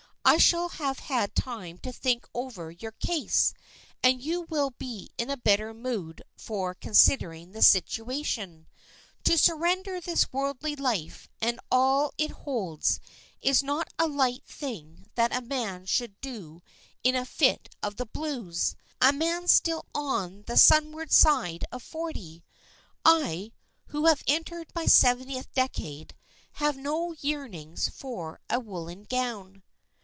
I shall have had time to think over your case, and you will be in a better mood for considering the situation: to surrender this worldly life and all it holds is not a light thing that a man should do in a fit of the blues, a man still on the sunward side of forty. I, who have entered my seventh decade, have no yearnings for a woollen gown."